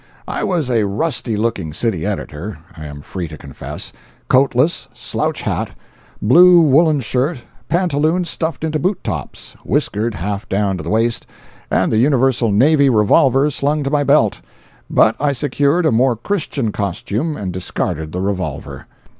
I was a rusty looking city editor, I am free to confess—coatless, slouch hat, blue woolen shirt, pantaloons stuffed into boot tops, whiskered half down to the waist, and the universal navy revolver slung to my belt. But I secured a more Christian costume and discarded the revolver.